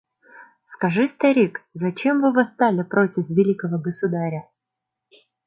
Скажи, старик, зачем вы восстали против великого государя?